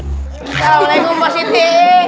assalamualaikum pak siti